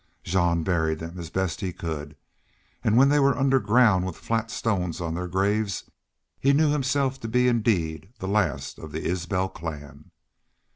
Jean buried them as best he could, and when they were under ground with flat stones on their graves he knew himself to be indeed the last of the Isbel clan.